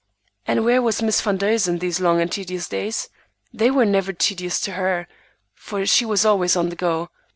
And where was Miss Van Duzen these long and tedious days? They were never tedious to her, for she was always on the go.